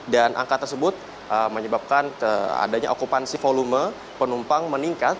dan angka tersebut menyebabkan adanya okupansi volume penumpang meningkat